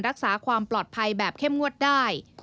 รักษาความปลอดภัยแบบเข้มงวดได้